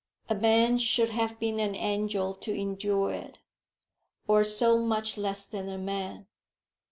"A man should have been an angel to endure it, or so much less than a man.